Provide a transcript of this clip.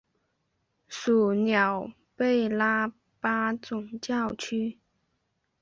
属乌贝拉巴总教区。